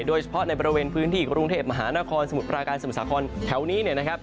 โดยเฉพาะในบริเวณพื้นที่กรุงเทพมหานครสมุทรปราการสมุทรสาครแถวนี้เนี่ยนะครับ